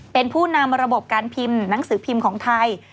เป็นผู้นำระบบการพิมพ์หนังสือพิมพ์ของไทย